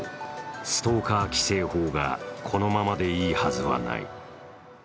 ストーカー規制法がこのままでいいはずはない。